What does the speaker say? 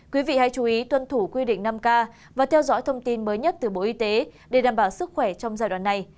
quý vị hãy chú ý tuân thủ quy định năm k và theo dõi thông tin mới nhất từ bộ y tế để đảm bảo sức khỏe trong giai đoạn này